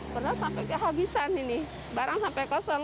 pernah sampai kehabisan ini barang sampai kosong